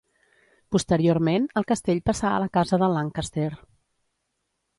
Posteriorment el castell passà a la casa de Lancaster.